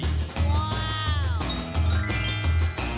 ว้าว